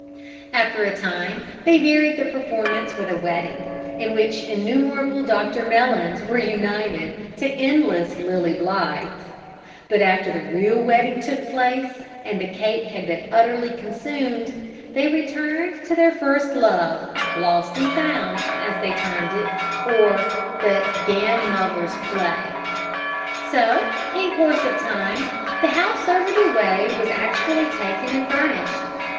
After a time they varied the performance with a wedding, in which innumerable Dr Mellons were united to endless Lilly Blythes; but after the real wedding took place, and the cake had been utterly consumed, they returned to their first love Lost and Found, as they termed it or, the Gan muver's Play. So, in course of time, the house over the way was actually taken and furnished.